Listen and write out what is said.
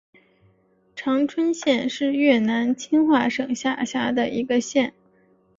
常春县是越南清化省下辖的一个县。